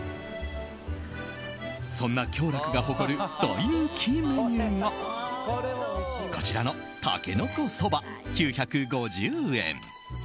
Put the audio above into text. そんな共楽が誇る大人気メニューがこちらの竹の子そば、９５０円。